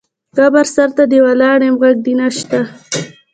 قبر سرته دې ولاړ یم غږ دې نه شــــته